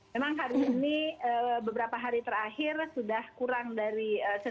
memang hari ini beberapa hari terakhir sudah kurang dari